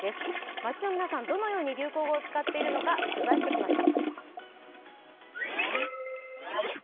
街の皆さん、どのように流行語を使っているのか取材しました。